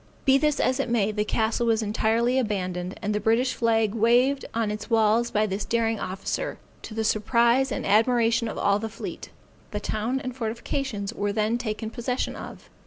Be this as it may, the castle was entirely abandoned, and the British flag waived on its walls by this daring officer, to the surprise and admiration of all the fleet. The town and fortifications were then taken possession of.